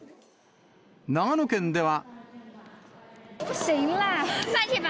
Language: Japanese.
長野県では。